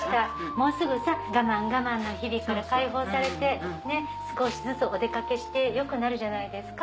もうすぐ我慢我慢の日々から解放されて少しずつお出掛けしてよくなるじゃないですか。